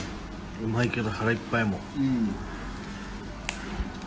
うまいけど、腹いっぱい、もう。